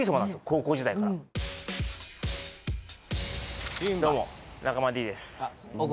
高校時代からどうも中間Ｄです